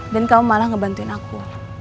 dan kamu malah ngebantuin aku